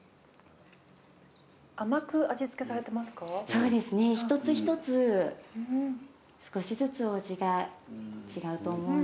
そうですね一つ一つ少しずつお味が違うと思うんですが。